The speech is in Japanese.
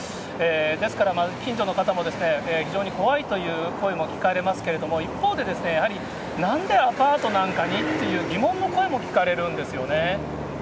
ですから、近所の方も非常に怖いという声も聞かれますけれども、一方で、やはり、なんでアパートなんかにという疑問の声も聞かれるんですよね。